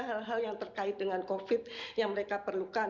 hal hal yang terkait dengan covid yang mereka perlukan